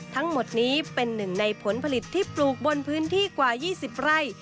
ทั้งหมดนี้เป็นหนึ่งในผลผลิตที่ปลูกบนพื้นที่กว่า๒๐ไร่